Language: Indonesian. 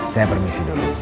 saya permisi dulu